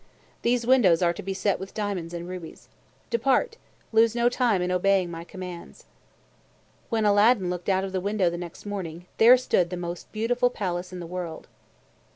These windows are to be set with diamonds and rubies. Depart! Lose no time in obeying my commands!" When Aladdin looked out of the window the next morning, there stood the most beautiful palace in the world.